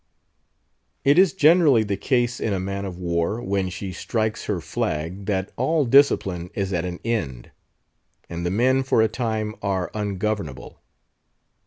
It is generally the case in a man of war when she strikes her flag that all discipline is at an end, and the men for a time are ungovernable.